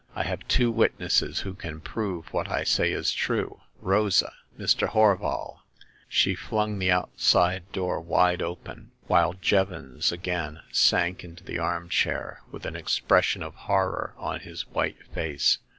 " I have two witnesses who can prove what I say is true. Rosa ! Mr. Horval !" She flung the outside door wide open, while Jevons again sank into the arm chair, with an ex pression of horror on his white face.